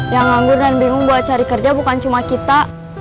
yang nganggur dan bingung buat cari kerja bukan cuma kita